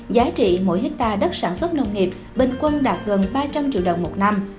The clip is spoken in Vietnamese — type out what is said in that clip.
giá trị mỗi hectare đất sản xuất nông nghiệp bình quân đạt gần ba trăm linh triệu đồng một năm